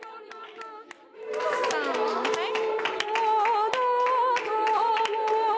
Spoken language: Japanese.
さんはい！